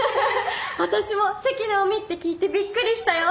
私も「関直美」って聞いてびっくりしたよ！